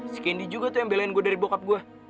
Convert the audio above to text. si kendi juga tuh yang belain gue dari bokap gue